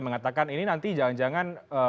mengatakan ini nanti jangan jangan